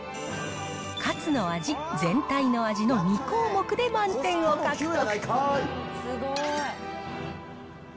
カツの味、全体の味の２項目で満点を獲得。